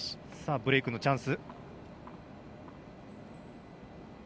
ブレークのチャンス。